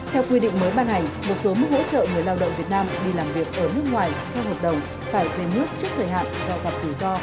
theo quy định mới ban hành một số mức hỗ trợ người lao động việt nam đi làm việc ở nước ngoài theo hợp đồng phải về nước trước thời hạn do gặp rủi ro